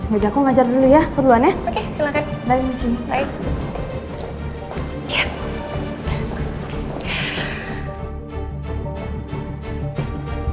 yaudah aku ngajar dulu ya ke duluan ya oke silahkan bye michi bye